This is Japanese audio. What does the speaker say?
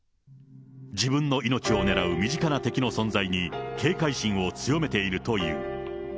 自分の命を狙う身近な敵の存在に警戒心を強めているという。